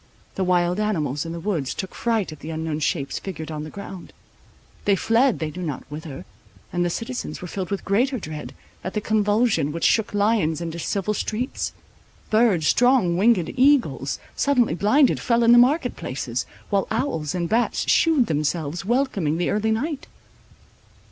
The wild animals in the woods took fright at the unknown shapes figured on the ground. They fled they knew not whither; and the citizens were filled with greater dread, at the convulsion which "shook lions into civil streets;"—birds, strong winged eagles, suddenly blinded, fell in the market places, while owls and bats shewed themselves welcoming the early night.